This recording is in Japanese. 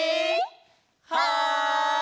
はい！